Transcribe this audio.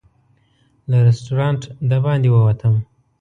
له رسټورانټ د باندې ووتم.